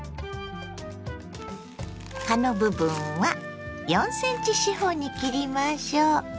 葉の部分は４ｃｍ四方に切りましょ。